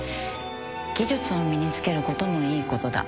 技術を身に付けることもいいことだ。